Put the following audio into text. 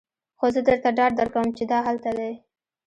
خو زه درته ډاډ درکوم چې دا هلته دی